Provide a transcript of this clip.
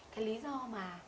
cái lý do mà